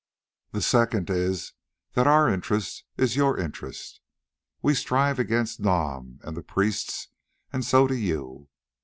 "The second is that our interest is your interest: we strive against Nam and the priests, and so do you.